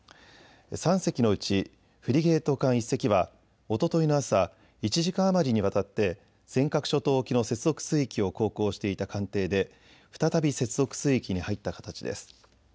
３隻のうちフリゲート艦１隻はおとといの朝、１時間余りにわたって尖閣諸島沖の接続水域を航行していた艦艇で再び接続水域に入った形です。